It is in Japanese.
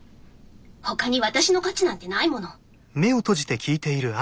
他に私の価値なんてないもの。